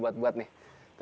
bisa tapi tidak